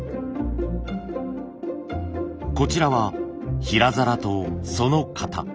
こちらは平皿とその型。